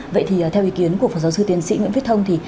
vậy thì theo ý kiến của phật giáo sư tiến sĩ nguyễn phiết thông